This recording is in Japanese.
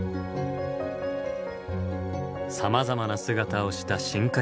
さまざまな姿をした深海生物たち。